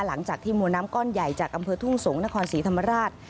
หลังจากที่มวลน้ำก้อนใหญ่จากอำเภอทุ่งสงศ์นครศรีธรรมราช